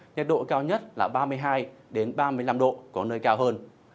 nhiệt độ cao nhất là ba mươi hai ba mươi năm độ có nơi cao hơn